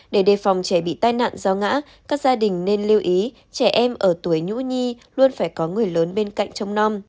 để đề phòng trẻ bị tai nạn do ngã các gia đình nên lưu ý trẻ em ở tuổi nhũ nhi luôn phải có người lớn bên cạnh trong non